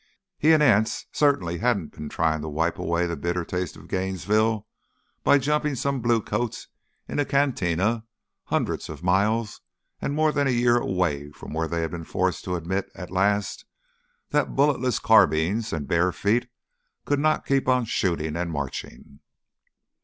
He and Anse certainly hadn't been trying to wipe away the bitter taste of Gainesville by jumping some blue coats in a cantina hundreds of miles and more than a year away from where they had been forced to admit, at last, that bulletless carbines and bare feet could not keep on shooting and marching.